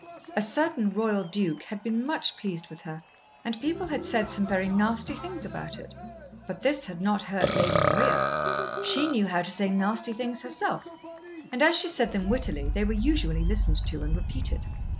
A certain royal duke had been much pleased with her and people had said some very nasty things about it. But this had not hurt Lady Maria. She knew how to say nasty things herself, and as she said them wittily they were usually listened to and repeated.